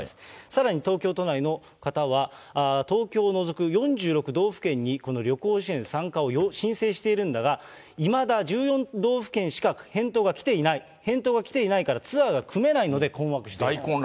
さらに東京都内の方は、東京を除く４６道府県にこの旅行支援参加を申請しているんだが、いまだ１４道府県しか返答が来ていない、返答が来ていないからツアーが組めないので、困惑している。